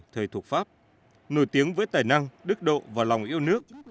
thời thuộc pháp nổi tiếng với tài năng đức độ và lòng yêu nước